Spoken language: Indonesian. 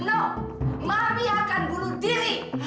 no mari akan bunuh diri